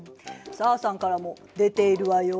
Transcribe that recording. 紗和さんからも出ているわよ。